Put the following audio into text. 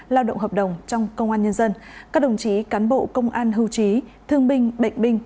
lao động hợp đồng trong công an nhân dân các đồng chí cán bộ công an hưu trí thương binh bệnh binh